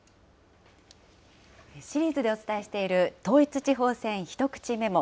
シリーズでお伝えしている、統一地方選ひとくちメモ。